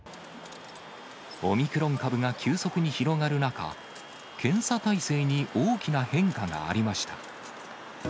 オミクロン株が急速に広がる中、検査体制に大きな変化がありました。